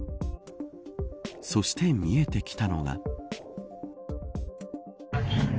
そして見えてきたのが。